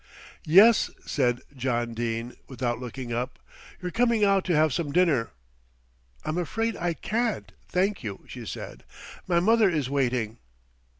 "Yes," said John Dene, without looking up. "You're coming out to have some dinner." "I'm afraid I can't, thank you," she said. "My mother is waiting."